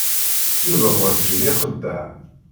Yuba werǧin ixeddeɛ.